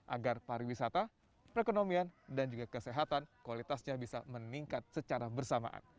agar pariwisata perekonomian dan juga kesehatan kualitasnya bisa meningkat secara bersamaan